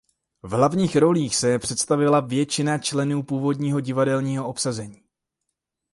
V hlavních rolích se představila většina členů původního divadelního obsazení.